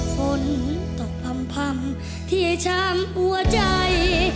ฝนตกพัมพัมที่ช้ำหัวใจ